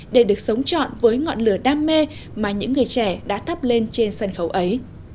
để được sống trọn với ngọn lửa đam mê mà những người trẻ đã thắp lên trên sân khấu ấy